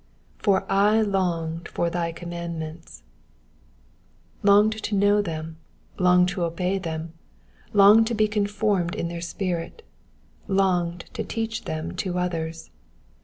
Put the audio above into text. ^^For I longed for thy commandments,'*^ Longed to know them, longed to obey them, longed to be conformed to their spirit, longed to teach them to others.